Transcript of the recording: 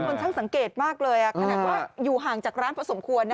เป็นคนช่างสังเกตมากเลยอ่ะแขนว่าอยู่ห่างจากร้านพอสมควรนะฮะ